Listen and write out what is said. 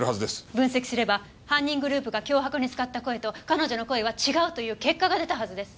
分析すれば犯人グループが脅迫に使った声と彼女の声は違うという結果が出たはずです！